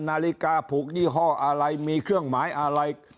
นาฬิกาผูกยี่ห้ออะไรมีเครื่องหมายอะไร